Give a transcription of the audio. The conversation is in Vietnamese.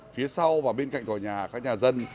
phía sau và bên cạnh tòa nhà các nhà dân